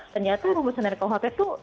ternyata rumus rkuhp itu